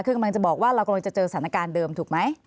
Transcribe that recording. คือกำลังจะบอกว่าเรากำลังจะเจอสถานการณ์เดิมถูกไหม